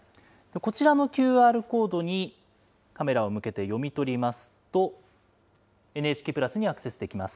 こちらのＱＲコードにカメラを向けて読み取りますと、ＮＨＫプラスにアクセスできます。